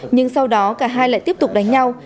nhưng sau đó cả hai lại tiếp tục đánh nhau